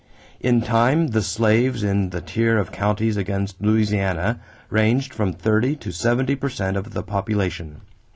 In time the slaves in the tier of counties against Louisiana ranged from thirty to seventy per cent of the population.